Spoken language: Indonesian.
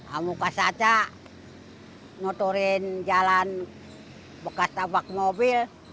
amu ke saca nuturin jalan bekas tabak mobil